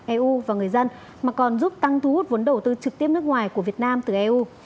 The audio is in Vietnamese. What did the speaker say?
eu và người dân mà còn giúp tăng thu hút vốn đầu tư trực tiếp nước ngoài của việt nam từ eu